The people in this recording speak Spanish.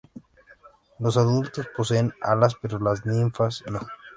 Los adultos poseen alas, pero las ninfas no.